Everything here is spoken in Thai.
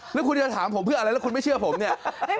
แล้วคุณจะถามผมเพื่ออะไรแล้วคุณไม่เชื่อผมเนี่ย